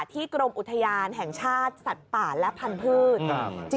กรมอุทยานแห่งชาติสัตว์ป่าและพันธุ์